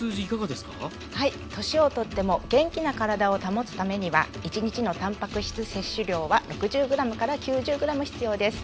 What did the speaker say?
年を取っても元気な体を保つためには一日のたんぱく質摂取量は６０ｇ９０ｇ必要です。